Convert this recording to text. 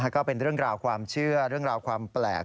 ก็เป็นเรื่องราวความเชื่อเรื่องราวความแปลก